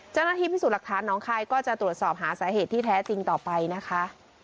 เจ้าหน้าที่พิสูจน์หลักฐานน้องคายก็จะตรวจสอบหาสาเหตุที่แท้จริงต่อไปนะคะ